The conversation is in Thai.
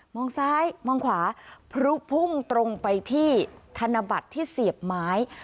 ซ้ายมองขวาพลุพุ่งตรงไปที่ธนบัตรที่เสียบไม้